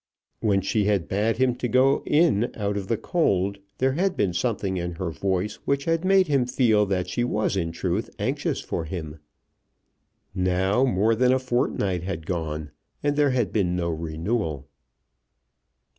When she had bade him go in out of the cold there had been something in her voice which had made him feel that she was in truth anxious for him. Now more than a fortnight had gone, and there had been no renewal!